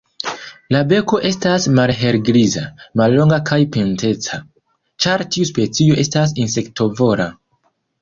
La beko estas malhelgriza, mallonga kaj pinteca, ĉar tiu specio estas insektovora.